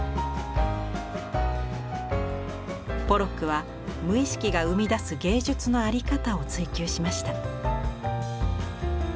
ポロックは無意識が生み出す芸術の在り方を追求しました。